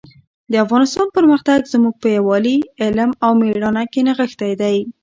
د افغانستان پرمختګ زموږ په یووالي، علم او مېړانه کې نغښتی دی.